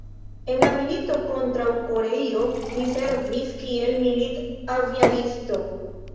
En la milito kontraŭ Koreio li servis kiel milit-aviadisto.